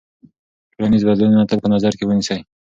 ټولنیز بدلونونه تل په نظر کې ونیسئ.